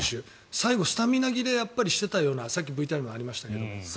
最後スタミナ切れしてたようなさっきＶＴＲにありましたけど。